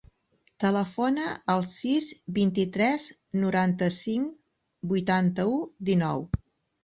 Telefona al sis, vint-i-tres, noranta-cinc, vuitanta-u, dinou.